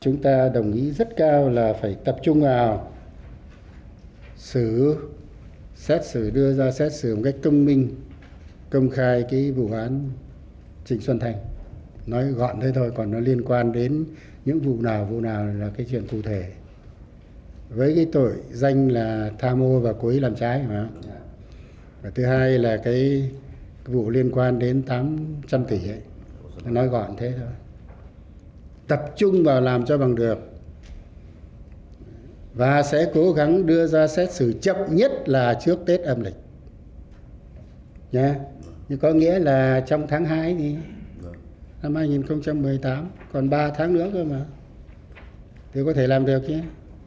nói gọn thế thôi tập trung vào làm cho bằng được và sẽ cố gắng đưa ra xét xử chậm nhất là trước tết âm lịch có nghĩa là trong tháng hai năm hai nghìn một mươi tám còn ba tháng nữa thôi mà thì có thể làm theo kia